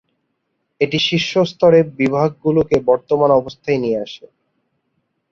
এটি শীর্ষ স্তরের বিভাগগুলি বর্তমান অবস্থায় নিয়ে আসে।